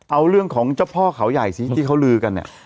เอาเรื่องของเจ้าพ่อเขาใหญ่สิที่เขาลือกันเนี่ย